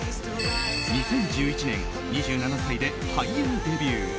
２０１１年２７歳で俳優デビュー。